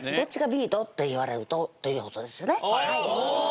と言われるとということですよね。